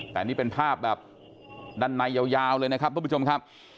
แต่นี่เป็นภาพแบบด้านในยาวเลยนะครับทุกผู้ชมครับ